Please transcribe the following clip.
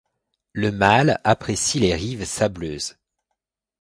Le mâle apprécie les rives sableuses.